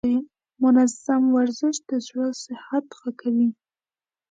منظم ورزش د زړه صحت ښه کوي.